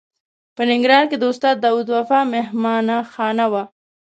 په ننګرهار کې د استاد داود وفا مهمانه خانه وه.